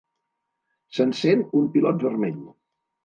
S'encén un pilot vermell.